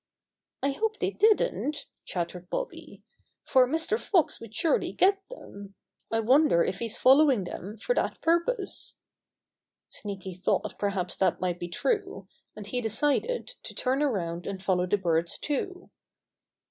"I hope they didn't," chattered Bobby, "for Mr. Fox would surely get them. I wonder if he's following them for that purpose." Sneaky thought perhaps that might be true, and he decided to turn around and follow the birds too.